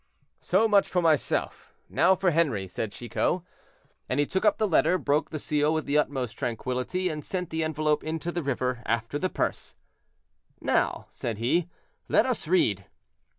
"So much for myself—now for Henri," said Chicot; and he took up the letter, broke the seal with the utmost tranquillity, and sent the envelope into the river after the purse. "Now," said he, "let us read.